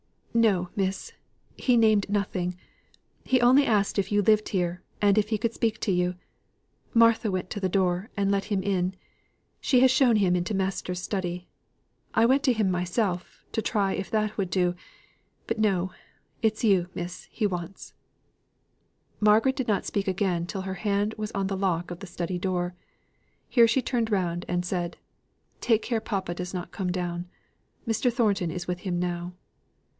"No, miss; he named nothing. He only asked if you lived here, and if he could speak to you. Martha went to the door, and let him in; she has shown him into master's study. I went to him myself, to try if that would do; but no it's you, miss, he wants." Margaret did not speak again till her hand was on the lock of the study door. Here she turned round and said, "Take care papa does not come down. Mr. Thornton is with him now."